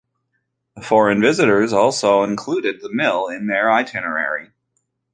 Foreign visitors also included the mill in their itinerary.